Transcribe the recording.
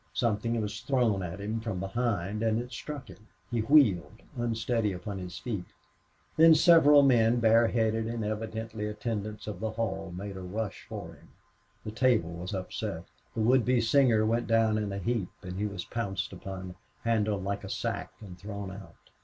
Something was thrown at him from behind and it struck him. He wheeled, unsteady upon his feet. Then several men, bareheaded and evidently attendants of the hall, made a rush for him. The table was upset. The would be singer went down in a heap, and he was pounced upon, handled like a sack, and thrown out.